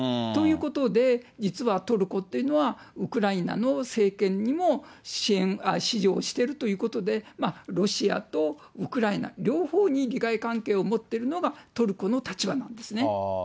ということで、実はトルコっていうのは、ウクライナの政権にも指示をしているということで、ロシアとウクライナ、両方に利害関係を持っているのがトルコの立場なんですね。